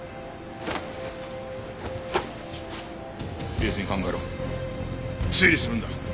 冷静に考えろ。推理するんだ。